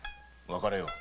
別れよう。